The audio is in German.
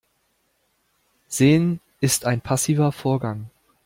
Sehen ist ein passiver Vorgang.